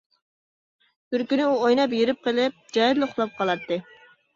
بىر كۈنى ئۇ ئويناپ ھېرىپ قېلىپ جايىدىلا ئۇخلاپ قالاتتى.